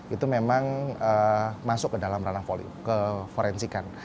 itu memang masuk ke dalam ranah ke forensikan